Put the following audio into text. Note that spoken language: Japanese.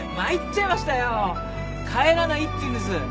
帰らないって言うんです。